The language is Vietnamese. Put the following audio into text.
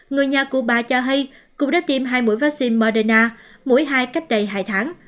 người nhà cụ bà cho hay cũng đã tiêm hai mũi vaccine moderna mũi hai cách đầy hai tháng